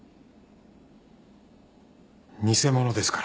偽者ですから。